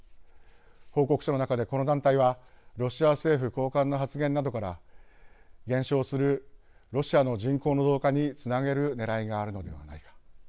報告書の中で、この団体はロシア政府高官の発言などから減少するロシアの人口の増加につなげるねらいがあるのではないか。